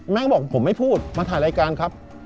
แม่ก็บอกผมไม่พูดมาถ่ายรายการครับ